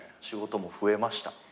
仕事も増えました。